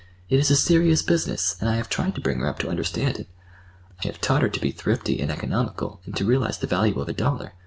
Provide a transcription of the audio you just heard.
It is a serious business, and I have tried to bring her up to understand it. I have taught her to be thrifty and economical, and to realize the value of a dollar.